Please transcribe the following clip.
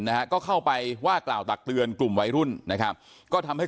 นะฮะก็เข้าไปว่ากล่าวตักเตือนกลุ่มวัยรุ่นนะครับก็ทำให้